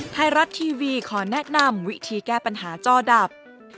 ไทยรัฐทีวีขอแนะนำวิธีแก้ปัญหาจ้อดับ